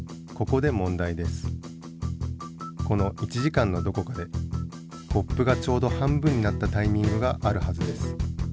この１時間のどこかでコップがちょうど半分になったタイミングがあるはずです。